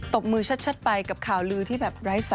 บมือชัดไปกับข่าวลือที่แบบไร้๓